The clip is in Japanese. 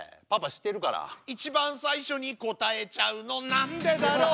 「一番最初に答えちゃうのなんでだろう」